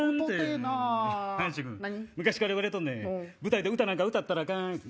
阪神君昔から言われとんねん舞台で歌なんか歌ったらアカン。